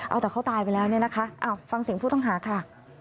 เอาแต่เขาตายไปแล้วฟังสิ่งผู้ต้องหาค่ะ